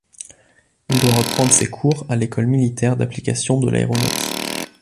Il doit reprendre ses cours à l’École militaire d’application de l’aéronautique.